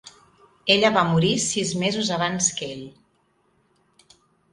Ella va morir sis mesos abans que ell.